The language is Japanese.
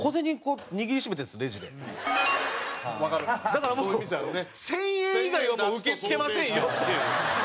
だからもう千円以外はもう受け付けませんよっていう。